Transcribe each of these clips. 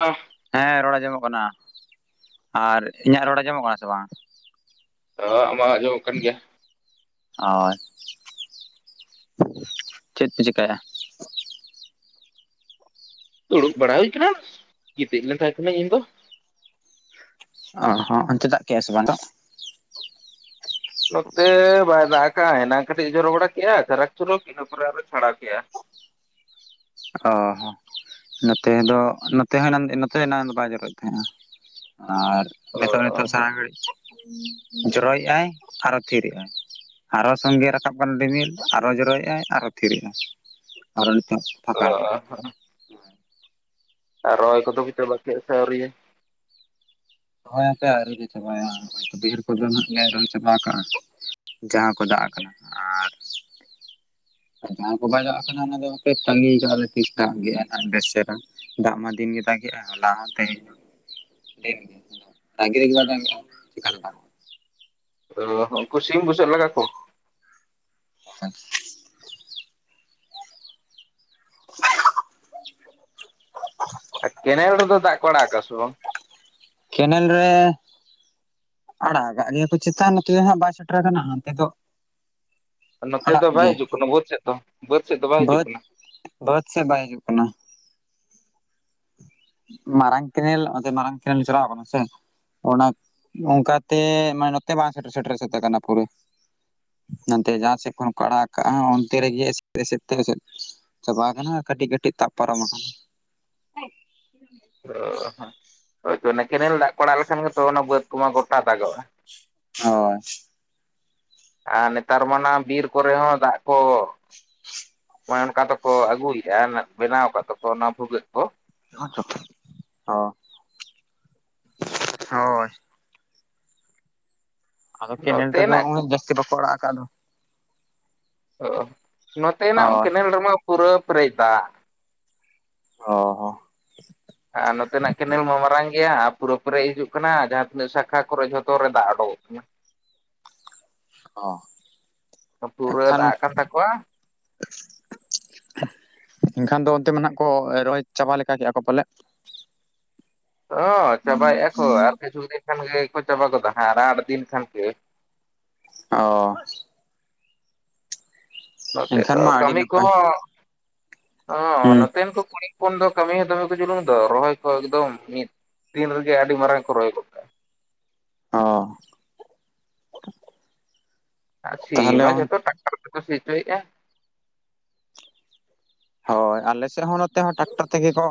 ᱚ ᱦᱮᱸ ᱨᱚᱲ ᱟᱸᱡᱚᱢᱚᱜ ᱠᱟᱱᱟ, ᱟᱨ ᱤᱧᱟᱹᱜ ᱨᱚᱲ ᱟᱸᱚᱢᱚᱜ ᱠᱟᱱᱟ ᱥᱮ ᱵᱟᱝ? ᱦᱚ ᱟᱢᱟᱜ ᱦᱚ ᱟᱸᱡᱚᱢᱚᱜ ᱠᱟᱱ ᱜᱮᱭᱟ᱾ ᱚᱭ, ᱪᱮᱫ ᱯᱮ ᱪᱤᱠᱟᱭᱮᱜ-ᱟ? ᱫᱩᱲᱩᱵ ᱵᱟᱲᱟ ᱦᱩᱭ ᱟᱠᱟᱱᱟ, ᱜᱤᱛᱤᱡ ᱞᱮᱱ ᱛᱟᱦᱮᱸ ᱠᱟᱱᱟᱹᱧ ᱤᱧ ᱫᱚ᱾ ᱚ ᱦᱚᱸ ᱚᱱᱛᱮ ᱫᱟᱜ ᱠᱮᱜ-ᱟᱭ ᱥᱮ ᱵᱟᱝ [unintelligible] ᱱᱚᱛᱮ ᱵᱟᱭ ᱫᱟᱜ ᱠᱟᱜᱼᱟᱭ ᱮᱱᱟᱝ ᱠᱟᱹᱴᱤᱡ ᱡᱚᱨᱚ ᱵᱟᱲᱟ ᱠᱮᱜᱼᱟᱭ ᱪᱟᱨᱟᱠ ᱪᱚᱨᱚᱠ, ᱤᱱᱟᱹ ᱯᱚᱨᱮ ᱟᱨᱚ ᱪᱷᱟᱲᱟᱣ ᱠᱮᱜᱼᱟᱭ᱾ ᱚ ᱦᱚᱸ ᱱᱚᱛᱮ ᱫᱚ, ᱱᱚᱛᱮ ᱦᱚᱸ ᱮᱱᱟᱱ ᱱᱚᱛᱮ ᱮᱱᱟᱱ ᱫᱚ ᱵᱟᱭ ᱡᱚᱨᱚᱭᱮᱫ ᱛᱟᱦᱮᱸᱼᱟ᱾ ᱟᱨ ᱚ ᱱᱤᱛᱚᱜ ᱱᱤᱛᱚᱜ ᱥᱟᱨᱟ ᱜᱷᱟᱹᱲᱤᱡ ᱤᱸ ᱡᱚᱨᱚᱭᱮᱜᱼᱟᱭ ᱟᱨᱚ ᱛᱷᱤᱨᱮᱜᱼᱟᱭ᱾ ᱟᱨᱚ ᱥᱚᱸᱜᱮ ᱨᱟᱠᱟᱵ ᱠᱟᱱᱟ ᱨᱤᱢᱤᱞ ᱟᱨᱚ ᱡᱚᱨᱚᱭᱮᱼᱟᱭ ᱟᱨᱚ ᱛᱷᱤᱨᱮᱜ-ᱟᱭ, ᱟᱨᱚ ᱱᱤᱛᱚᱜ ᱯᱷᱟᱸᱠᱟ ᱟᱠᱟᱜᱼᱟᱭ ᱚ ᱟᱨ ᱨᱚᱦᱚᱭ ᱠᱚᱫᱚ ᱯᱮ ᱪᱟᱵᱟ ᱠᱮᱜ-ᱟ ᱥᱮ ᱟᱣᱨᱤᱭᱟ? ᱫᱚᱦᱚᱭ ᱦᱟᱯᱮ ᱟᱹᱣᱨᱤ ᱞᱮ ᱪᱟᱵᱟᱭᱟ, ᱵᱟᱹᱭᱷᱟᱹᱲ ᱠᱚᱫᱚ ᱱᱦᱟᱜ ᱞᱮ ᱨᱚᱦᱚᱭ ᱪᱟᱵᱟ ᱟᱠᱟᱜᱼᱟ᱾ ᱡᱟᱦᱟᱸ ᱠᱚ ᱫᱟᱜ ᱠᱟᱱᱟ ᱟᱨ ᱟᱨ ᱡᱟᱦᱟᱸ ᱠᱚ ᱵᱟᱭ ᱫᱟᱜ ᱟᱠᱟᱱᱟ ᱚᱱᱟ ᱫᱚ ᱦᱟᱯᱮ ᱛᱟᱺᱜᱤ ᱟᱠᱟᱜᱼᱟ ᱞᱮ ᱛᱤᱥ ᱫᱟᱜᱮᱜ-ᱟᱭ ᱵᱥᱮ ᱪᱮᱨᱷᱟ᱾ ᱫᱟᱜ ᱢᱟ ᱫᱤᱱ ᱜᱮ ᱫᱟᱜᱸᱮᱜᱼᱟ ᱦᱚᱞᱟ ᱦᱚᱸ ᱛᱤᱦᱤᱧ ᱦᱚᱸ ᱫᱤᱱᱜᱤ [unintelligible] [unintelligible] ᱚ ᱩᱱᱠᱩ ᱥᱤᱢ ᱵᱩᱥᱟᱹᱜ ᱞᱟᱜᱟ ᱠᱚᱢ᱾ [unintelligible] ᱟᱨ ᱠᱮᱱᱮᱞ ᱨᱮᱫᱚ ᱫᱟᱜ ᱠᱚ ᱟᱲᱟᱜ ᱟᱠᱟᱫᱟ ᱥᱮ ᱵᱟᱝ? ᱠᱮᱱᱮᱞ ᱨᱮ ᱟᱲᱟᱜ ᱟᱠᱟᱜ ᱜᱮᱭᱟ ᱠᱚ ᱪᱮᱛᱟᱱ, ᱱᱚᱛᱮ ᱦᱟᱸᱜ ᱵᱟᱭ ᱥᱮᱴᱮᱨ ᱟᱠᱟᱱᱟ, ᱦᱟᱱᱛᱮ ᱫᱚ ᱱᱚᱛᱮ ᱟᱲᱟᱜ ᱫᱚ ᱵᱟᱭ ᱜᱮ ᱦᱤᱡᱩᱜ ᱠᱟᱱᱟ ᱵᱟᱹᱫᱽ ᱥᱮᱫ ᱫᱚ? ᱵᱟᱹᱫᱽ ᱥᱮᱫ ᱫᱚ ᱵᱟᱭ ᱦᱤᱡᱩᱜ ᱵᱟᱹᱫᱽ ᱠᱟᱱᱟ? ᱵᱟᱹᱫᱽ ᱥᱮᱫ ᱵᱟᱭ ᱦᱤᱡᱩᱜ ᱠᱟᱱᱟ᱾ ᱢᱟᱨᱟᱝ ᱠᱮᱱᱮᱞ, ᱚᱱᱛᱮ ᱢᱟᱨᱟᱝ ᱠᱮᱱᱮᱞ ᱪᱟᱞᱟᱣ ᱠᱟᱱᱟ ᱥᱮ᱾ ᱚᱱᱟ ᱚᱱᱠᱟ ᱛᱮ ᱢᱟᱱᱮ ᱱᱚᱛᱮ ᱵᱟᱝ ᱥᱮᱴᱮᱨ, ᱥᱮᱴᱮᱨ ᱥᱟᱹᱛ ᱟᱠᱟᱱᱟ ᱯᱩᱨᱟᱹ᱾ ᱱᱚᱱᱛᱮ ᱡᱟᱦᱟᱸ ᱥᱮᱫ ᱠᱷᱚᱱ ᱠᱚ ᱟᱲᱟᱜ ᱟᱠᱟᱜᱼᱟ ᱚᱱᱛᱮ ᱨᱮᱜᱮ [unintelligible] ᱪᱟᱵᱟ ᱟᱠᱟᱱᱟ ᱟᱨ ᱠᱟᱹᱴᱤᱡ ᱠᱟᱹᱴᱤᱡ ᱛᱟᱵ ᱯᱟᱨᱚᱢ ᱟᱠᱟᱱᱟ᱾ [unintelligible] ᱦᱳᱭᱛᱳ ᱚᱱᱮ ᱠᱮᱱᱮᱞ ᱫᱟᱜ ᱠᱚ ᱟᱲᱟᱜ ᱞᱮᱠᱷᱟᱱ ᱜᱮ ᱛᱚ ᱚᱱᱟ ᱵᱟᱹᱫᱽ ᱠᱚᱢᱟ ᱜᱚᱴᱟ ᱫᱟᱜᱚᱜᱼᱟ᱾ ᱦᱳᱭ ᱟᱨ ᱱᱮᱛᱟᱨ ᱢᱟᱱᱟ ᱵᱤᱨ ᱠᱚᱨᱮ ᱦᱚᱸ ᱫᱟᱜ ᱠᱚ [unintelligible] ᱚᱱᱠᱟ ᱛᱮᱠᱚ ᱟᱹᱜᱩᱭᱮᱜᱼᱟ ᱱᱟᱜ ᱵᱮᱱᱟᱣ ᱟᱠᱟ ᱫᱟᱠᱚ ᱚᱱᱟ ᱵᱷᱩᱜᱟᱹᱜ ᱠᱚ᱾ [unintelligible] ᱚ ᱦᱳᱭ ᱟᱫᱚ ᱠᱮᱱᱮᱠ ᱛᱮᱫᱚ ᱱᱚᱛᱮᱱᱟᱜ ᱦᱚᱸᱜ-ᱚᱭ ᱡᱟᱹᱥᱛᱤ ᱵᱟᱠᱚ ᱟᱲᱟᱜ ᱟᱠᱟᱫ ᱫᱚ᱾ ᱚ ᱱᱚᱛᱮᱱᱟᱜ ᱦᱳᱭ ᱠᱮᱱᱮᱞ ᱨᱮᱢᱟ ᱯᱩᱨᱟᱹ ᱯᱮᱨᱮᱡ ᱫᱟᱜ᱾ ᱚᱻ ᱦᱚᱸ ᱟᱨ ᱱᱚᱛᱮᱱᱟᱜ ᱠᱮᱱᱮᱞ ᱢᱟ ᱢᱟᱨᱟᱝ ᱜᱮᱭᱟ, ᱟᱨ ᱯᱩᱨᱟᱹ ᱯᱮᱨᱮᱡ ᱦᱤᱡᱩᱜ ᱠᱟᱱᱟ, ᱡᱟᱦᱟᱸ ᱛᱤᱱᱟᱹᱜ ᱥᱟᱠᱷᱟ ᱠᱚᱨᱮ ᱡᱷᱚᱛᱚ ᱨᱮ ᱫᱟᱜ ᱳᱰᱳᱜᱚᱜ ᱠᱟᱱᱟ᱾ ᱚ [inaudible] ᱛᱚ ᱯᱩᱨᱟᱹ ᱮᱱᱠᱷᱟᱱ ᱫᱟᱜ ᱟᱠᱟᱱ ᱛᱟᱠᱚᱣᱟ᱾ [inaudible] ᱮᱱᱠᱷᱟᱱ ᱫᱚ ᱚᱱᱛᱮ ᱢᱮᱱᱟᱜ ᱠᱚ ᱨᱚᱦᱚᱭ ᱪᱟᱵᱟ ᱞᱮᱠᱟ, ᱠᱮᱜ-ᱟ ᱠᱚ ᱯᱟᱞᱮᱫ? ᱚᱻ ᱪᱟᱵᱟᱭᱮᱜ-ᱟ ᱠᱚ, ᱟᱨ ᱠᱤᱪᱷᱩ ᱫᱤᱱ ᱠᱷᱟᱱ ᱜᱮ ᱠᱚ ᱪᱟᱵᱟ ᱜᱚᱫᱟ ᱦᱟᱸᱜ ᱟᱨ ᱟᱴ ᱫᱤᱱ ᱠᱷᱟᱱ ᱜᱮ᱾ ᱚᱻ ᱱᱚᱛᱮ ᱮᱱᱠᱷᱟᱱ ᱫᱚ ᱢᱟ ᱟᱹᱰᱤ ᱠᱟᱹᱢᱤ ᱱᱟᱯᱟᱭ ᱠᱚᱦᱚᱸ [inaudible] ᱚᱻ ᱦᱩᱸ ᱱᱚᱛᱮᱱ ᱠᱚ ᱠᱩᱲᱤ ᱦᱚᱯᱚᱱ ᱫᱚ ᱠᱟᱹᱢᱤ ᱦᱚᱸ ᱫᱚᱢᱮ ᱠᱚ ᱡᱩᱞᱩᱝ ᱫᱚ, ᱨᱚᱦᱚᱭ ᱠᱚ ᱮᱠᱫᱚᱢ ᱢᱤᱫ [inaudible] ᱫᱤᱱ ᱨᱮᱜᱮ ᱟᱹᱰᱤ ᱢᱟᱨᱟᱝ ᱠᱚ ᱨᱚᱦᱚᱭ ᱜᱚᱫ ᱠᱟᱜᱼᱟ ᱚᱻ [inaudible] ᱟᱨ ᱥᱤ ᱢᱟ ᱡᱷᱚᱛᱚ ᱴᱨᱟᱠᱴᱟᱨ ᱛᱮᱠᱚ ᱥᱤ ᱦᱚᱪᱚᱭᱮᱜ-ᱟ᱾ ᱦᱳᱭ, ᱟᱞᱮ ᱥᱮᱫ ᱦᱚᱸ ᱱᱚᱛᱮ ᱦᱚᱸ ᱴᱟᱠᱴᱟᱨ ᱛᱮᱜᱮ ᱠᱚ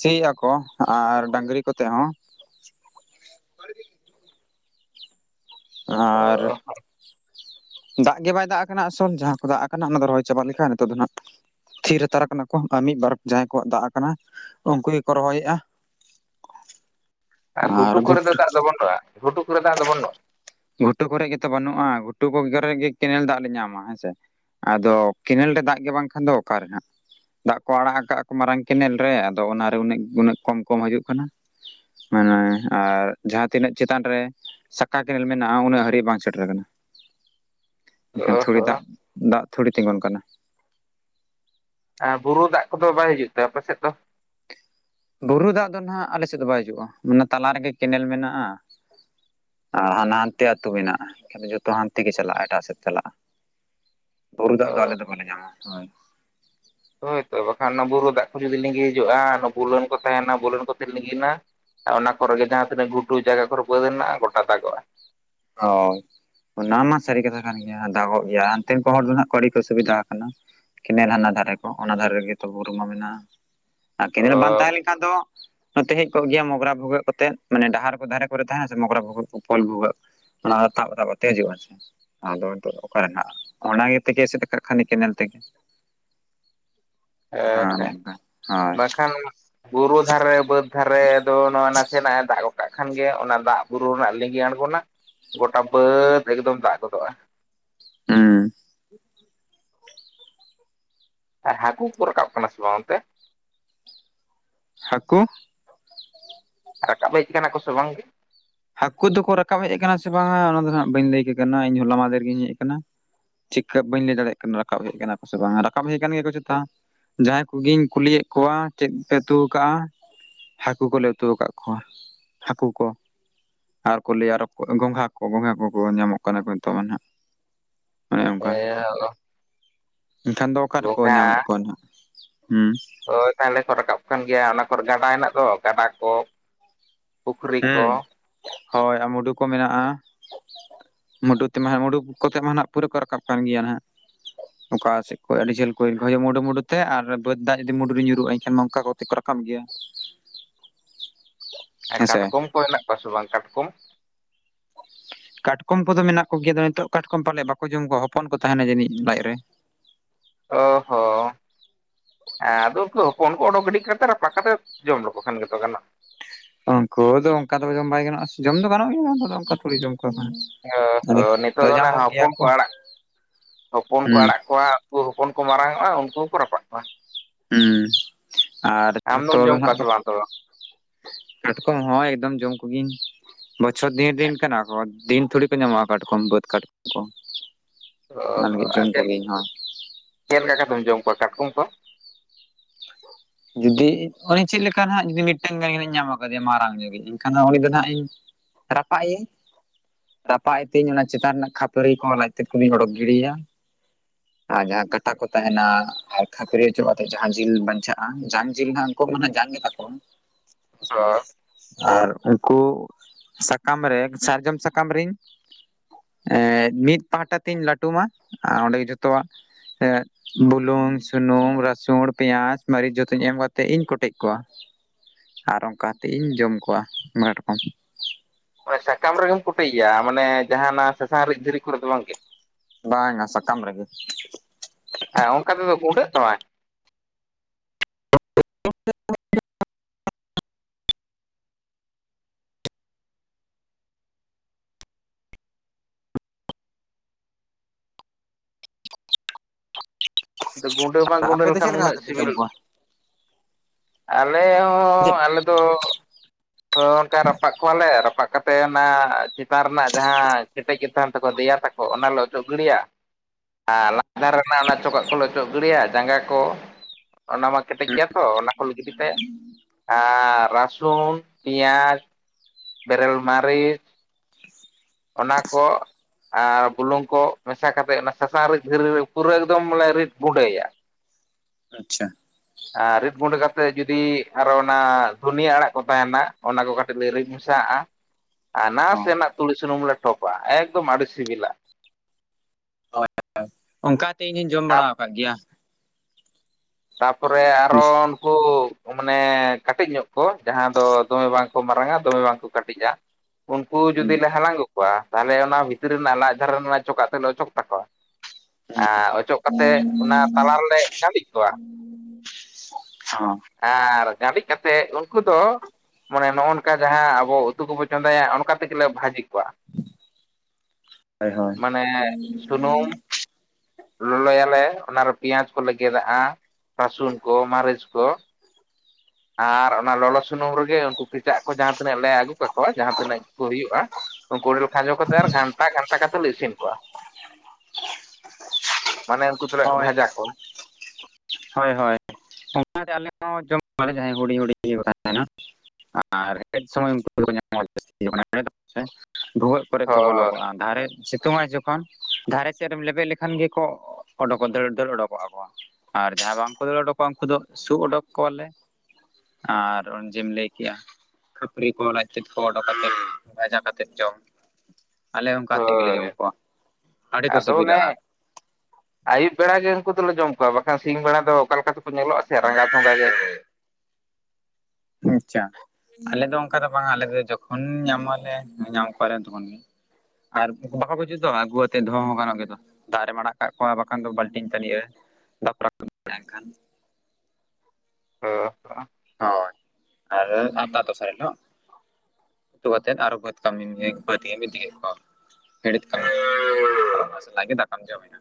ᱥᱤ ᱟᱠᱚ ᱟᱨ ᱰᱟᱝᱨᱤ ᱠᱚᱛᱮ ᱦᱚᱸ᱾ ᱚ ᱟᱨ ᱫᱟᱜ ᱜᱮ ᱵᱟᱭ ᱫᱟᱜ ᱟᱠᱟᱱᱟ ᱟᱥᱚᱞ ᱡᱟᱦᱟᱸ ᱠᱚ ᱫᱟᱜ ᱟᱠᱟᱱᱟ ᱚᱱᱟ ᱫᱚ ᱨᱚᱦᱚᱭ ᱪᱟᱵᱟ ᱞᱮᱠᱟᱱ ᱱᱤᱛᱚᱜ ᱫᱚ ᱱᱟᱦᱟᱜ ᱛᱷᱤᱨ ᱦᱟᱛᱟᱨ ᱟᱠᱟᱱᱟ ᱠᱚ, ᱟᱨ ᱢᱤᱫ ᱵᱟᱨ ᱡᱟᱦᱟᱸᱭ ᱠᱚᱣᱟᱜ ᱫᱟᱜ ᱟᱠᱟᱱᱟ ᱩᱱᱠᱩ ᱜᱮᱠᱚ ᱨᱚᱦᱚᱭᱮᱜ-ᱟ᱾ ᱟᱨ ᱜᱷᱩᱴᱩ ᱠᱚᱨᱮ ᱫᱚ ᱫᱟᱜ ᱫᱚ ᱵᱟᱹᱱᱩᱜ-ᱟ, ᱜᱷᱩᱴᱩ ᱠᱚᱨᱮ ᱫᱟᱜ ᱫᱚ ᱵᱟᱹᱱᱩᱜ-ᱟ᱾ ᱜᱷᱩᱴᱩ ᱠᱚᱨᱮ ᱜᱮᱛᱚ ᱵᱟᱹᱱᱩᱜ-ᱟ, ᱜᱷᱩᱴᱩ ᱠᱚ ᱠᱚᱨᱮ ᱜᱮ ᱠᱮᱱᱮᱞ ᱫᱟᱜ ᱞᱮ ᱧᱟᱢᱟ ᱦᱮᱸᱥᱮ᱾ ᱟᱫᱚ ᱠᱮᱱᱮᱞ ᱨᱮ ᱫᱟᱜ ᱜᱮ ᱵᱟᱝᱠᱷᱟᱱ ᱫᱚ ᱚᱠᱟᱨᱮ ᱦᱟᱸᱜ᱾ ᱫᱟᱜ ᱠᱚ ᱟᱲᱟᱜ ᱟᱠᱟᱜ ᱟᱠᱚ ᱢᱟᱨᱟᱝ ᱠᱮᱱᱮᱞ ᱨᱮ, ᱟᱫᱚ ᱚᱱᱟᱨᱮ ᱩᱱᱟᱹᱜ ᱩᱱᱟᱹᱜ ᱠᱚᱢ ᱠᱚᱢ ᱦᱤᱡᱩᱜ ᱠᱟᱱᱟ᱾ ᱢᱟᱱᱮ ᱟᱨ ᱡᱟᱦᱟᱸ ᱛᱤᱱᱟᱹᱜ ᱪᱮᱛᱟᱱ ᱨᱮ ᱥᱟᱠᱟ ᱠᱮᱱᱮᱞ ᱢᱮᱱᱟᱜ-ᱟ, ᱩᱱᱟᱹᱜ ᱦᱟᱹᱨᱤᱡ ᱵᱟᱝ ᱥᱮᱴᱮᱨ ᱠᱟᱱᱟ ᱮᱱᱠᱷᱟᱱ ᱚ ᱛᱷᱩᱲᱤ ᱫᱟᱜ ᱦᱚᱸ ᱫᱟᱜ ᱛᱷᱩᱲᱤ ᱛᱤᱸᱜᱩᱱ ᱠᱟᱱᱟ᱾ ᱟᱨ ᱵᱩᱨᱩ ᱫᱟᱜ ᱠᱚᱫᱚ ᱵᱟᱭ ᱦᱤᱡᱩᱜ ᱛᱮ ᱟᱯᱮ ᱥᱮᱫ ᱫᱚ? ᱵᱩᱨᱩ ᱫᱟᱜ ᱫᱚ ᱱᱟᱦᱟᱸᱜ ᱟᱞᱮ ᱥᱮᱫ ᱫᱚ ᱵᱟᱭ ᱦᱤᱡᱩᱜ-ᱟ ᱢᱟᱱᱮ ᱛᱟᱞᱟ ᱨᱮᱜᱮ ᱠᱮᱱᱮᱞ ᱢᱮᱱᱟᱜ-ᱟ᱾ ᱟᱨ ᱦᱟᱱᱟ ᱦᱟᱱᱛᱮ ᱟᱹᱛᱩ ᱢᱮᱱᱟᱜ-ᱟ, ᱛᱟᱦᱚᱞᱮ ᱡᱚᱛᱚ ᱦᱟᱱᱛᱮ ᱜᱮ ᱪᱟᱞᱟᱜ-ᱟ, ᱮᱴᱟᱜ ᱥᱮᱫ ᱪᱟᱞᱟᱜ-ᱟ᱾ [inaudible] ᱵᱩᱨᱩ ᱫᱟᱜ ᱫᱚ ᱚ ᱟᱞᱮ ᱫᱚ ᱵᱟᱞᱮ ᱧᱟᱢᱟ, ᱦᱳᱭ ᱦᱳᱭᱛᱚ ᱵᱟᱠᱷᱟᱱ ᱚᱱᱟ ᱵᱩᱨᱩ ᱫᱟᱜ ᱠᱚ ᱡᱩᱫᱤ ᱞᱤᱸᱜᱤ ᱦᱤᱡᱚᱜ-ᱟ, ᱚᱱᱟ ᱵᱩᱞᱟᱹᱱ ᱠᱚ ᱛᱟᱦᱮᱱᱟ ᱵᱩᱞᱟᱹᱱ ᱠᱚ ᱛᱮ ᱞᱤᱸᱜᱤᱱᱟ᱾ ᱟᱨ ᱚᱱᱟ ᱠᱚᱨᱮ ᱜᱮ ᱡᱟᱦᱟᱸ ᱛᱤᱱᱟᱹᱜ ᱜᱷᱩᱴᱩ ᱡᱟᱭᱜᱟ ᱠᱚᱨᱮ ᱵᱟᱹᱫᱽ ᱦᱮᱱᱟᱜ-ᱟ ᱜᱚᱴᱟ ᱫᱟᱜᱚᱜ-ᱟ᱾ ᱚᱝ ᱚᱱᱟ ᱢᱟ ᱥᱟᱹᱨᱤ ᱠᱟᱛᱷᱟ ᱠᱟᱱ ᱜᱮᱭᱟ ᱫᱟᱜᱚᱜ ᱜᱮᱭᱟ, ᱦᱟᱱᱛᱮᱱ ᱠᱚ ᱦᱚᱲ ᱫᱚ ᱱᱟᱦᱟᱸᱜ ᱠᱚ ᱟᱹᱰᱤ ᱠᱚ ᱥᱩᱵᱤᱫᱷᱟᱣ ᱠᱟᱱᱟ᱾ ᱠᱮᱱᱮᱞ ᱦᱟᱱᱟ ᱫᱷᱟᱨᱮ ᱠᱚ ᱚᱱᱟ ᱫᱷᱟᱨᱮ ᱨᱮᱜᱮ ᱛᱚ ᱵᱩᱨᱩ ᱢᱟ ᱢᱮᱱᱟᱜ-ᱟ, ᱟᱨ ᱚ ᱠᱮᱱᱮᱞ ᱵᱟᱝ ᱛᱟᱦᱮᱸ ᱞᱮᱱᱠᱷᱟᱱ ᱫᱚ ᱱᱚᱛᱮ ᱦᱮᱡ ᱠᱚᱜ ᱜᱮᱭᱟ ᱢᱚᱜᱨᱟ ᱵᱷᱩᱜᱟᱹᱜ ᱠᱚᱛᱮᱜ, ᱢᱟᱱᱮ ᱰᱟᱦᱟᱨ ᱠᱚ ᱫᱷᱟᱨᱮ ᱠᱚᱨᱮ ᱛᱟᱦᱮᱸᱱᱟ ᱥᱮ ᱢᱚᱜᱽᱨᱟ ᱵᱷᱩᱜᱟᱹᱜ ᱯᱚᱞ ᱵᱷᱩᱜᱟᱹᱜ ᱠᱚ᱾ ᱚᱱᱟ ᱦᱚᱸ ᱛᱟᱵ ᱛᱟᱵ ᱟᱛᱮ ᱦᱤᱡᱩᱜ-ᱟ। ᱟᱫᱚ ᱦᱤᱛᱳᱜ ᱫᱚ ᱚᱠᱟᱨᱮ ᱱᱟᱦᱟᱜ, ᱚᱱᱟ ᱜᱮ ᱛᱮᱜᱮ ᱮᱥᱮᱫ ᱟᱠᱟᱫ ᱠᱷᱟᱱᱮ ᱠᱮᱱᱮᱞ ᱛᱮᱜᱮ [inaudible] ᱮᱸᱻ ᱦᱮᱸ ᱚᱱᱠᱟ ᱦᱳᱭ ᱵᱟᱝᱠᱷᱟᱱ ᱵᱩᱨᱩ ᱫᱷᱟᱨᱮ ᱵᱟᱹᱫᱽ ᱫᱷᱟᱨᱮ ᱫᱚ ᱱᱚᱣᱟ ᱱᱟᱥᱮᱱᱟᱜ- ᱮ ᱫᱟᱜ ᱜᱚᱫ ᱠᱟᱜ ᱠᱷᱟᱱ ᱜᱮ ᱚᱱᱟ ᱫᱟᱜ ᱵᱩᱨᱩ ᱨᱮᱱᱟᱜ ᱞᱤᱸᱜᱤ ᱟᱬᱜᱚᱱᱟ ᱜᱚᱴᱟ ᱵᱟᱹᱫᱽ ᱮᱠᱫᱚᱢ ᱫᱟᱜ ᱜᱚᱫᱚᱜ-ᱟ᱾ ᱦᱩᱸᱻ ᱟᱨ ᱦᱟᱹᱠᱩ ᱠᱚ ᱨᱟᱠᱟᱵ ᱠᱟᱱᱟ ᱥᱮ ᱵᱟᱝ ᱚᱱᱛᱮ? ᱦᱟᱠᱩ, ᱨᱟᱠᱟᱵ ᱦᱮᱡ ᱟᱠᱟᱱᱟ ᱠᱚ ᱥᱮ ᱵᱟᱝ? ᱦᱟᱹᱠᱩ ᱫᱚᱠᱚ ᱨᱟᱠᱟᱵ ᱦᱮᱡ ᱟᱠᱟᱱᱟ ᱥᱮ ᱵᱟᱝᱟ ᱚᱱᱟ ᱫᱚ ᱱᱟᱦᱟᱸᱜ ᱵᱟᱹᱧ ᱞᱟᱹᱭ ᱠᱮ ᱠᱟᱱᱟ, ᱤᱧ ᱦᱚᱞᱟ ᱢᱟᱦᱟᱫᱷᱮᱨ ᱜᱤᱧ ᱦᱮᱡ ᱟᱠᱟᱱᱟ᱾ ᱪᱤᱠᱟᱹ ᱵᱟᱹᱧ ᱞᱟᱹᱭ ᱫᱟᱲᱮᱭᱟᱜ ᱠᱟᱱᱟ ᱨᱟᱠᱟᱵ ᱦᱮᱡ ᱠᱟᱱᱟᱠᱚ ᱥᱮ ᱵᱟᱝ-ᱟ, ᱨᱟᱠᱟᱵ ᱦᱮᱡ ᱟᱠᱟᱱ ᱜᱮᱭᱟ ᱠᱚ ᱥᱮ ᱪᱮᱛᱟ᱾ ᱡᱟᱦᱟᱸᱭ ᱠᱚᱜᱮᱧ ᱠᱩᱞᱤᱭᱮᱫ ᱠᱚᱣᱟ ᱪᱮᱫ ᱯᱮ ᱩᱛᱩ ᱠᱟᱜ-ᱟ? ᱦᱟᱹᱠᱩ ᱠᱚᱞᱮ ᱩᱛᱩ ᱟᱠᱟᱫ ᱠᱚᱣᱟ, ᱦᱟᱹᱠᱩ ᱠᱚ᱾ ᱟᱨ ᱠᱚ ᱞᱟᱹᱭᱟ ᱨᱚᱠᱚᱡ ᱜᱚᱝᱜᱷᱟ ᱠᱚ ᱜᱚᱸᱜᱷᱟ ᱠᱚᱠᱚ ᱧᱟᱢᱚᱜ ᱠᱟᱱᱟ ᱠᱚ ᱱᱤᱛᱚᱜ ᱢᱟ ᱱᱟᱦᱟᱜ। ᱚᱱᱮ ᱚᱱᱠᱟ [unintelligible] ᱮᱱᱠᱷᱟᱱ ᱫᱚ ᱚᱠᱟ ᱨᱮᱠᱚ ᱜᱚᱝᱜᱷᱟ ᱧᱟᱢᱮᱫ ᱠᱚᱣᱟ ᱱᱟᱦᱟᱸᱜ᱾ ᱦᱩᱸ᱾ ᱦᱳᱭ ᱛᱟᱦᱚᱞᱮ ᱠᱚ ᱨᱟᱠᱟᱵ ᱠᱟᱱ ᱜᱮᱭᱟ᱾ ᱚᱱᱟ ᱠᱚᱨᱮ ᱜᱟᱰᱟ ᱦᱮᱱᱟᱜ ᱫᱚ ᱜᱟᱰᱟ ᱠᱚ ᱯᱩᱠᱷᱨᱤ ᱦᱩᱸ᱾ ᱠᱚ ᱦᱳᱭ ᱟᱨ ᱢᱩᱰᱩ ᱠᱚ ᱢᱮᱱᱟᱜ-ᱟ। ᱢᱩᱰᱩ ᱛᱮᱢᱟ ᱦᱟᱜ ᱢᱩᱰᱩ ᱠᱚᱛᱮ ᱢᱟ ᱱᱟᱸᱜ ᱯᱩᱨᱟᱹ ᱠᱚ ᱨᱟᱠᱟᱵ ᱠᱟᱱ ᱜᱮᱭᱟ ᱱᱟᱦᱟᱸᱜ। ᱚᱠᱟ ᱥᱮᱫ ᱠᱷᱚᱡ ᱟᱹᱰᱤ ᱡᱷᱟᱹᱞ ᱠᱷᱚᱡ ᱢᱩᱰᱩ ᱢᱩᱰᱩ ᱛᱮ ᱟᱨ ᱵᱟᱹᱫᱽ ᱫᱟᱜ ᱡᱩᱫᱤ ᱢᱩᱰᱩ ᱨᱮ ᱧᱩᱨᱩᱜ-ᱟ ᱮᱱᱠᱷᱟᱱ ᱚᱝᱠᱟ ᱠᱚ ᱛᱮᱠᱚ ᱨᱟᱠᱟᱵ ᱜᱮᱭᱟ। ᱮᱸ ᱦᱮᱸᱥᱮ ᱠᱟᱴᱠᱚᱢ ᱠᱚ ᱢᱮᱱᱟᱜ ᱠᱚᱣᱟ ᱥᱮ ᱵᱟᱝ ᱠᱟᱴᱠᱚᱢ? ᱠᱟᱴᱠᱚᱢ ᱠᱚᱫᱚ ᱢᱮᱱᱟᱜ ᱠᱚᱜᱮᱭᱟ ᱟᱫᱚ ᱱᱤᱛᱳᱜ ᱠᱟᱴᱠᱚᱢ ᱯᱟᱞᱮᱫ ᱵᱟᱠᱚ ᱡᱚᱢ ᱠᱚᱣᱟ᱾ ᱦᱚᱯᱚᱱ ᱠᱚ ᱛᱟᱦᱮᱱᱟ ᱡᱟᱹᱱᱤᱡ ᱞᱟᱡ ᱨᱮ। ᱚ ᱦᱚ᱾ ᱦᱮᱸ ᱟᱫᱚ ᱩᱱᱠᱩ ᱫᱚ ᱦᱚᱯᱚᱱ ᱠᱚ ᱚᱰᱚᱠ ᱜᱤᱰᱤ ᱠᱟᱛᱮᱫ, ᱨᱟᱯᱟᱜ ᱠᱟᱛᱮ ᱡᱚᱢ ᱞᱮᱠᱚ ᱠᱷᱟᱱ ᱜᱮᱛᱚ ᱜᱟᱱᱚᱜᱼᱟ। ᱩᱱᱠᱩ ᱫᱚ ᱚᱱᱠᱟ ᱫᱚ ᱡᱚᱢ ᱵᱟᱭ ᱜᱟᱱᱚᱜ-ᱟ ᱟᱥᱮ ᱡᱚᱢ ᱫᱚ ᱜᱟᱱᱚᱜ ᱜᱮᱭᱟ ᱜᱟᱱ ᱫᱚ ᱟᱫᱚ ᱚᱱᱠᱟ ᱛᱷᱩᱲᱤ ᱡᱚᱢ ᱠᱚᱣᱟ ᱱᱟᱦᱟᱜ। ᱚᱼᱦᱚ ᱱᱤᱛᱚᱜ ᱫᱚ ᱱᱟᱦᱟᱜ ᱦᱚᱯᱚᱱ ᱠᱚ ᱟᱲᱟᱜ ᱦᱚᱯᱚᱱ ᱠᱚ ᱦᱩᱸ ᱟᱲᱟᱜ ᱠᱚᱣᱟ᱾ ᱩᱱᱠᱩ ᱦᱚᱯᱚᱱ ᱠᱚ ᱢᱟᱨᱟᱝᱚᱜᱼᱟ ᱩᱱᱠᱩ ᱦᱚᱸᱠᱚ ᱨᱟᱯᱟᱜ ᱠᱚᱣᱟ। ᱦᱩᱸ ᱟᱨ ᱡᱚᱛᱚ ᱟᱢᱫᱚᱢ ᱫᱚ ᱡᱚᱢ ᱱᱟᱦᱟᱸᱜ ᱠᱚᱣᱟ ᱥᱮ ᱵᱟᱠ ᱵᱟᱝ ᱛᱚᱵᱮ ᱠᱟᱴᱠᱚᱢ ᱦᱚᱸ ᱮᱠᱫᱚᱢ ᱡᱚᱢ ᱠᱚᱜᱮᱭᱤᱧ। ᱵᱚᱪᱷᱚᱨ ᱫᱤᱱ ᱨᱤᱱ ᱠᱟᱱᱟ ᱠᱚ᱾ ᱫᱤᱱ ᱛᱷᱚᱲᱤ ᱠᱚ ᱧᱟᱢᱚᱜᱼᱟ ᱠᱟᱴᱠᱚᱢ, ᱵᱟᱹᱫᱽ ᱠᱟᱴᱠᱚᱢ ᱠᱚ। ᱚᱱᱟ ᱚᱼᱦᱚ ᱞᱟᱹᱜᱤᱫ ᱟᱨ ᱡᱚᱢ ᱪᱮᱫ? ᱠᱚᱜᱮᱭᱟᱹᱧ ᱦᱳᱭ ᱪᱮᱫ ᱞᱮᱠᱟ ᱠᱟᱛᱮᱢ ᱡᱚᱢ ᱠᱚᱣᱟ ᱠᱟᱴᱠᱚᱢ ᱠᱚ? ᱡᱩᱫᱤ ᱩᱱᱤ ᱪᱮᱫ ᱞᱮᱠᱟ ᱱᱦᱟᱜ ᱡᱩᱫᱤ ᱢᱤᱫᱴᱟᱝ ᱜᱟᱱ ᱜᱮᱧ ᱧᱟᱢ ᱠᱟᱫᱮᱭᱟ ᱢᱟᱨᱟᱝ ᱧᱚᱜᱤᱜ ᱤᱱᱠᱷᱟᱱ ᱫᱚ ᱩᱱᱤ ᱫᱚ ᱱᱦᱟᱜ ᱤᱧ ᱨᱟᱯᱟᱜ ᱤᱭᱟᱹᱧ᱾ ᱨᱟᱯᱟᱜ ᱮᱛᱤᱧ ᱚᱱᱟ ᱪᱮᱛᱟᱱ ᱨᱮᱱᱟᱜ ᱠᱷᱟᱯᱨᱤ ᱠᱚ ᱞᱟᱡᱛᱮᱫ ᱠᱚᱫᱚᱧ ᱳᱰᱳᱠ ᱜᱤᱲᱤᱭᱟ᱾ ᱟᱨ ᱡᱟᱦᱟᱸ ᱠᱟᱴᱟ ᱠᱚ ᱛᱟᱦᱮᱱᱟ ᱟᱨ ᱠᱷᱟᱹᱯᱨᱤ ᱚᱪᱚᱜ ᱟᱛᱮ ᱡᱟᱦᱟᱸ ᱡᱤᱞ ᱵᱟᱸᱧᱪᱟᱜ ᱟᱝ ᱡᱟᱝ ᱡᱤᱞ ᱱᱦᱟᱜ ᱩᱱᱠᱩᱭᱟᱜ ᱢᱟ ᱱᱟᱦᱟᱜ ᱡᱟᱝ ᱜᱮᱛᱟ ᱠᱚ᱾ ᱦᱚ᱾ ᱟᱨ ᱩᱱᱠᱩ ᱥᱟᱠᱟᱢ ᱨᱮ, ᱥᱟᱨᱡᱚᱢ ᱥᱟᱠᱟᱢ ᱨᱤᱧ ᱮᱸᱫ ᱢᱤᱫ ᱯᱟᱦᱴᱟ ᱛᱤᱧ ᱞᱟᱹᱴᱩᱢᱟ ᱟᱨ ᱚᱸᱰᱮ ᱜᱮ ᱡᱷᱚᱛᱚᱣᱟᱜ ᱮᱸᱫ ᱵᱩᱞᱩᱝ, ᱥᱩᱱᱩᱢ, ᱨᱟᱹᱥᱩᱱ ᱯᱮᱸᱭᱟᱡᱽ᱾ ᱢᱟᱹᱨᱤᱪ ᱡᱚᱛᱚᱧ ᱮᱢ ᱠᱟᱛᱮᱜ ᱤᱧ ᱠᱚᱴᱮᱡ ᱠᱚᱣᱟ᱾ ᱟᱨ ᱚᱱᱠᱟ ᱠᱟᱛᱮᱫ ᱤᱧ ᱡᱚᱢ ᱠᱚᱣᱟ ᱢᱟ ᱠᱟᱴᱠᱚᱢ᱾ ᱚᱱᱮ ᱥᱟᱠᱟᱢ ᱨᱮᱜᱮᱢ ᱠᱚᱴᱮᱡᱟᱭᱟ ᱢᱟᱱᱮ ᱡᱟᱦᱱᱟᱜ ᱥᱟᱥᱟᱝ ᱨᱤᱫ ᱫᱷᱤᱨᱤ ᱠᱚᱨᱮ ᱫᱚ ᱵᱟᱝ ᱜᱮ? ᱵᱟᱝᱟ ᱥᱟᱠᱟᱢ ᱨᱮᱜᱮ᱾ ᱦᱮᱸ ᱚᱱᱠᱟ ᱛᱮᱫᱚ ᱜᱩᱸᱰᱟᱹᱜ ᱛᱟᱢᱟᱭ᱾ [unintelligible] ᱟᱫᱚ ᱜᱩᱱᱰᱟᱹ ᱵᱟᱝ ᱜᱩᱱᱵᱟᱹ ᱟᱯᱮ ᱫᱚ ᱪᱮᱫ ᱞᱮᱠᱷᱟᱱ ᱞᱮᱠᱟ ᱩᱱᱟᱹᱜ ᱠᱟᱛᱮ ᱯᱮ ᱥᱤᱵᱤᱞ ᱡᱚᱢ ᱠᱚᱣᱟ ᱟᱞᱮ ᱦᱚᱸ ᱟᱞᱮ ᱫᱚ ᱦᱚ ᱚᱱᱠᱟ ᱨᱟᱯᱟᱜ ᱠᱚᱣᱟᱞᱮ, ᱨᱟᱯᱟᱜ ᱠᱟᱛ ᱛᱮ ᱚᱱᱟ ᱪᱮᱛᱟᱱ ᱨᱮᱱᱟᱜ ᱡᱟᱦᱟᱸ ᱠᱮᱴᱮᱡ ᱜᱮ ᱛᱟᱦᱮᱱ ᱛᱟᱠᱚᱣᱟ ᱫᱮᱭᱟ ᱛᱟᱠᱚ, ᱚᱱᱟ ᱞᱮ ᱚᱪᱚᱜ ᱜᱤᱲᱤᱭᱟ᱾ ᱟᱨ ᱞᱟᱡ ᱨᱮᱱᱟᱜ ᱚᱱᱟ ᱫᱚᱠᱟᱜ ᱠᱚᱞᱮ ᱚᱪᱚᱜ ᱜᱤᱲᱤᱭᱟ᱾ ᱡᱟᱸᱜᱟ ᱠᱚ ᱚᱱᱟ ᱢᱟ ᱠᱮᱴᱮᱡ ᱜᱮᱭᱟ ᱛᱚ, ᱚᱱᱟ ᱠᱚ ᱞᱮ ᱜᱤᱰᱤ ᱛᱟᱭᱟ᱾ ᱟ ᱨᱟᱹᱥᱩᱱ, ᱯᱮᱸᱭᱟᱡᱽ ᱵᱮᱨᱮᱞ ᱢᱟᱹᱨᱤᱪ᱾ ᱚᱱᱟ ᱠᱚ ᱟ ᱵᱩᱞᱩᱝ ᱠᱚ ᱢᱮᱥᱟ ᱠᱟᱛᱮᱜ ᱚᱱᱟ ᱥᱟᱥᱟᱝ ᱨᱤᱫ ᱫᱷᱤᱨᱤ ᱨᱮ ᱯᱩᱨᱟᱹ ᱮᱠᱫᱚᱢ ᱞᱮ ᱨᱤᱫ ᱜᱩᱸᱰᱟᱹᱭᱟ᱾ [inaudible] ᱟᱪᱪᱷᱟ᱾ [unintelligible] ᱟ ᱨᱤᱫ ᱜᱩᱸᱰᱟᱹ ᱠᱟᱛᱮ ᱡᱩᱫᱤ ᱟᱨᱚ ᱚᱱᱟ ᱫᱷᱩᱱᱤᱭᱟᱹ ᱟᱲᱟᱜ ᱠᱚ ᱛᱟᱦᱮᱸᱱᱟ ᱚᱱᱟ ᱠᱚ ᱠᱟᱹᱴᱤᱡ ᱞᱮ ᱨᱤᱫ ᱢᱮᱥᱟᱜᱼᱟ᱾ ᱟᱨ ᱚ ᱱᱟᱥᱮᱱᱟᱜ ᱛᱩᱲᱤ ᱥᱩᱱᱩᱢ ᱞᱮ ᱴᱷᱚᱯᱟᱜ-ᱟ, ᱮᱠᱫᱚᱢ ᱟᱹᱰᱤ ᱥᱤᱵᱤᱞᱟ᱾ ᱦᱳᱭ ᱚᱱᱠᱟᱛᱮ ᱤᱧ ᱦᱚᱧ ᱡᱚᱢ ᱟᱨ ᱵᱟᱲᱟᱣ ᱟᱠᱟᱜ ᱜᱮᱭᱟ᱾ ᱛᱟᱯᱚᱨᱮ ᱟᱨᱚ ᱦᱩᱸ ᱩᱱᱠᱩ ᱢᱟᱱᱮ ᱠᱟᱹᱴᱤᱡ ᱧᱚᱜ ᱠᱚ ᱡᱟᱦᱟᱸ ᱫᱚ ᱫᱚᱢᱮ ᱵᱟᱝᱠᱚ ᱢᱟᱨᱟᱝᱟ ᱫᱚᱢᱮ ᱵᱟᱝᱠᱚ ᱠᱟᱹᱴᱤᱡᱼᱟ᱾ ᱩᱱᱠᱩ ᱡᱩᱚᱫᱤ ᱞᱮ ᱦᱟᱞᱟᱝ ᱟᱹᱜᱩ ᱠᱚᱣᱟ ᱛᱟᱦᱞᱮ ᱚᱱᱟ ᱵᱷᱤᱛᱤᱨ ᱨᱮᱱᱟᱜ ᱞᱟᱡ ᱫᱷᱟᱨᱮ ᱨᱮᱱᱟᱜ ᱪᱚᱠᱟᱜ ᱛᱮᱫᱞᱮ ᱚᱪᱚᱠ ᱛᱟᱠᱚᱣᱟ᱾ ᱟ ᱚᱪᱚᱜ ᱠᱟᱛᱮ ᱚᱱᱟ ᱛᱟᱞᱟ ᱨᱮᱞᱮ ᱜᱟᱰᱤᱡ ᱠᱚᱣᱟ᱾ ᱦᱚᱸ᱾ ᱟᱨ ᱜᱟᱱᱰᱤᱜ ᱠᱟᱛᱮᱜ ᱩᱱᱠᱩ ᱫᱚ ᱢᱟᱱᱮ ᱱᱚᱜᱼᱚᱱᱠᱟ ᱡᱟᱦᱟᱸ ᱟᱵᱚ ᱩᱛᱩ ᱠᱚᱵᱚ ᱪᱚᱸᱫᱟᱭᱟ ᱚᱱᱠᱟ ᱛᱮᱜᱮᱞᱮ ᱵᱷᱟᱡᱤ ᱠᱚᱜᱣᱟ᱾ ᱦᱳᱭ ᱢᱟᱱᱮ ᱥᱩᱱᱩᱢ, ᱞᱚᱞᱚᱭᱟᱞᱮ ᱚᱱᱟᱨᱮ ᱯᱮᱸᱭᱟᱡᱽ ᱠᱚᱞᱮ ᱜᱮᱫᱟᱜᱼᱟ ᱨᱟᱹᱥᱩᱱ ᱠᱚ ᱢᱟᱹᱨᱤᱪ ᱠᱚ ᱟᱨ ᱚᱱᱟ ᱞᱚᱞᱚ ᱥᱩᱱᱩᱢ ᱨᱮᱜᱮ ᱩᱱᱠᱩ ᱠᱮᱪᱟᱜ ᱠᱚ ᱡᱟᱦᱟᱸ ᱛᱤᱱᱟᱹᱜ ᱞᱮ ᱟᱹᱜᱩ ᱠᱟᱠᱚᱣᱟ ᱡᱟᱦᱟᱸ ᱛᱤᱱᱟᱹᱜ ᱜᱮ ᱠᱚ ᱦᱩᱭᱩᱜᱼᱟ, [unintelligible] ᱠᱷᱟᱸᱡᱚ ᱠᱟᱛᱮᱫ ᱟᱨ ᱜᱷᱟᱱᱴᱟ ᱜᱷᱟᱱᱴᱟ ᱠᱟᱛᱮᱫ ᱞᱮ ᱤᱥᱤᱱ ᱠᱚᱣᱟ᱾ ᱢᱟᱱᱮ ᱩᱱᱠᱩ ᱫᱚᱞᱮ ᱦᱳᱭ ᱵᱷᱟᱡᱟ ᱠᱚᱣᱟ ᱾ ᱦᱳᱭ ᱦᱳᱭ ᱚᱱᱠᱟ ᱜᱮ [inaudible] ᱟᱨ ᱦᱮᱡ ᱥᱚᱢᱚᱭ ᱩᱱᱠᱩ [inaudible] ᱫᱷᱩᱣᱟᱹᱜ ᱠᱚᱨᱮ ᱠᱚ ᱵᱚᱞᱚ ᱦᱳᱭ ᱠᱚᱜᱼᱟ ᱫᱷᱟᱨᱮ [inaudible] ᱛᱳᱢᱟᱨ ᱡᱚᱠᱷᱚᱱ ᱫᱷᱟᱨᱮ ᱥᱮᱫ ᱨᱮᱢ ᱞᱮᱵᱮᱫ ᱞᱮᱠᱷᱟᱱ ᱜᱮ ᱠᱚ ᱚᱰᱳᱠᱚᱜ, ᱫᱟᱹᱲ ᱫᱟᱹᱲ ᱳᱰᱳᱠᱚᱜᱼᱟ ᱠᱚ᱾ ᱟᱨ ᱡᱟᱦᱟᱸᱭ ᱵᱟᱝᱠᱚ ᱫᱟᱹᱲ ᱳᱰᱳᱠ-ᱟ ᱩᱱᱠᱩ ᱫᱚ ᱥᱩᱜ ᱳᱰᱳᱠ ᱠᱚᱣᱟᱞᱮ᱾ ᱟᱨ ᱚᱱᱮ ᱡᱮᱢ ᱞᱟᱹᱭ ᱠᱮᱜᱼᱟ, ᱠᱷᱟᱹᱯᱲᱤ ᱠᱚ ᱞᱟᱡᱛᱮᱫ ᱠᱚ ᱚᱰᱚᱠ ᱠᱟᱛᱮᱫ, ᱵᱷᱟᱡᱟ ᱠᱟᱛᱮᱫ ᱡᱚᱢ᱾ ᱟᱞᱮᱦᱚ ᱚᱱᱠᱟ ᱠᱟᱛᱮᱫ ᱜᱮᱞᱮ ᱦᱳᱭ ᱡᱚᱢ ᱠᱚᱣᱟ ᱟᱹᱰᱤ ᱠᱚ ᱥᱤᱵᱤᱞᱟ ᱟᱨ ᱟᱭᱩᱵ ᱵᱮᱲᱟ ᱜᱮ ᱩᱱᱠᱩ ᱫᱚᱞᱮ ᱡᱚᱢ ᱠᱚᱣᱟ ᱵᱟᱠᱷᱟᱱ ᱥᱤᱧ ᱵᱮᱲᱟ ᱫᱚ ᱚᱠᱟ ᱞᱮᱠᱟ ᱞᱮᱠᱟ ᱛᱮᱠᱚ ᱧᱮᱞᱚᱜᱼᱟ ᱥᱮ ᱨᱟᱸᱜᱟ ᱪᱚᱸᱜᱟ ᱜᱮ᱾ ᱟᱪᱪᱷᱟ ᱟᱞᱮ ᱫᱚ ᱚᱱᱠᱟ ᱫᱚ ᱵᱟᱝᱟ ᱟᱞᱮ ᱫᱚ ᱡᱚᱠᱷᱚᱱ ᱧᱟᱢᱟᱞᱮ ᱧᱟᱢ ᱠᱚᱣᱟᱞᱮ ᱛᱚᱠᱷᱚᱱ ᱜᱮ᱾ ᱟᱨ ᱵᱟᱠᱚ ᱜᱩᱡᱩᱜ ᱫᱚ ᱟᱹᱜᱩ ᱟᱛᱮᱜ ᱫᱚᱦᱚ ᱦᱚᱸ ᱜᱟᱱᱚᱜ ᱜᱮᱫᱚ᱾ ᱫᱟᱜ ᱨᱮᱢ ᱟᱲᱟᱜ ᱠᱟᱜ ᱠᱚᱣᱟ ᱵᱟᱠᱷᱟᱱ ᱫᱚ ᱵᱟᱞᱴᱤᱱ ᱛᱟᱱᱤᱡ ᱨᱮ ᱵᱟᱠᱚ ᱨᱟᱠᱟᱵ ᱫᱟᱲᱮᱭᱟᱜᱼᱟ ᱮᱱᱠᱷᱟᱱ᱾ ᱚᱸᱻ ᱷ ᱚ [inaudible] ᱦᱳᱭ ᱟᱨ ᱛᱟᱨ ᱫᱚᱥᱟᱨ ᱦᱤᱞᱳᱜᱼᱼ ᱩᱛᱩ ᱟᱛᱮᱫ ᱟᱨ ᱵᱟᱹᱛ ᱠᱟᱹᱢᱤᱢ ᱵᱟᱹᱫᱽ ᱮᱢ ᱤᱫᱤᱭᱮᱜ ᱠᱚᱣᱟ᱾ ᱦᱮᱲᱮᱛ ᱠᱟᱢᱤ ᱚᱱᱟ ᱥᱟᱞᱟᱜ ᱜᱮ ᱫᱟᱠᱟᱢ ᱡᱚᱢᱮᱜᱼᱟ᱾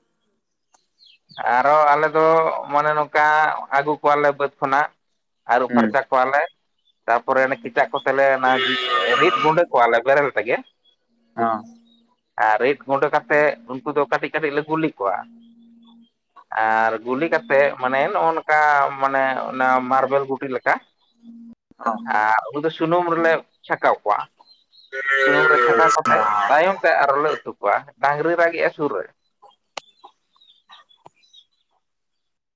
ᱟᱨᱚ ᱟᱞᱮ ᱫᱚ ᱢᱟᱱᱮ ᱱᱚᱝᱠᱟᱻᱜ ᱟᱜᱩ ᱠᱚᱣᱟᱞᱮ ᱵᱟᱹᱫᱽ ᱠᱷᱚᱱᱟᱜ ᱟᱨᱩᱵ ᱦᱩᱸ ᱯᱷᱟᱨᱪᱟ ᱠᱚᱣᱟᱞᱮ, ᱛᱟᱯᱚᱨᱮ ᱠᱮᱪᱟᱜ ᱠᱚᱛᱮᱞᱮ ᱚᱱᱟ ᱨᱤᱫ ᱜᱩᱸᱰᱟᱹ ᱠᱚᱣᱟᱞᱮ ᱵᱮᱨᱮᱞ ᱛᱮᱜᱮ᱾ ᱦᱚᱸ᱾ ᱟᱨ ᱨᱤᱫ ᱜᱩᱰᱟᱹ ᱠᱟᱛᱮᱜ ᱩᱱᱠᱩ ᱫᱚ ᱠᱟᱹᱴᱤᱡ ᱠᱟᱹᱴᱤᱡ ᱞᱮ ᱜᱩᱞᱤ ᱠᱚᱣᱟ᱾ ᱟᱨ ᱜᱩᱞᱤ ᱠᱟᱛᱮᱜ ᱢᱟᱱᱮ ᱱᱚᱜᱼᱚ ᱱᱚᱝᱠᱟᱻ ᱢᱟᱱᱮ ᱚᱱᱟ ᱢᱟᱨᱵᱮᱞ ᱜᱩᱴᱤ ᱞᱮᱠᱟ᱾ ᱦᱩᱸᱜ ᱚ ᱩᱸ [inaudible] ᱟᱨ ᱩᱱᱠᱩ ᱫᱚ ᱥᱩᱱᱩᱢ ᱨᱮᱞᱮ ᱪᱷᱟᱠᱟᱣ ᱠᱚᱣᱟ ᱥᱩᱱᱩᱢ ᱨᱮ ᱪᱷᱟᱠᱟᱣ ᱠᱟᱛᱮᱜ, ᱛᱟᱭᱚᱢ ᱛᱮ ᱟᱨᱚᱞᱮ ᱩᱛᱩ ᱠᱚᱣᱟ ᱰᱟᱝᱨᱤ ᱨᱟᱜᱮᱜᱼᱟ ᱥᱩᱨ ᱨᱮ᱾